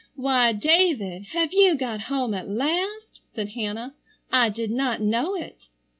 "Why, David, have you got home at last?" said Hannah. "I did not know it."